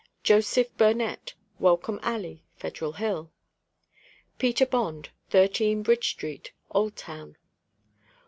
JOSEPH BURNET, Welcome alley, Federal Hill. PETER BOND, 13 Bridge street, Old Town.